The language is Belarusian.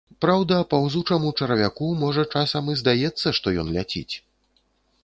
Праўда, паўзучаму чарвяку можа часам і здаецца, што ён ляціць.